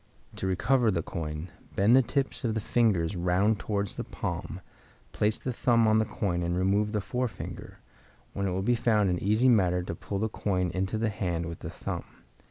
To recover the coin, bend the tips of the fingers round towards the palm, place the thumb on the coin and remove the forefinger, when it will be found an easy matter to pull the coin into the hand with the thumb.